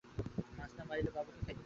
মাছ না পাইলে বাবুকে খাইতে দিব কী?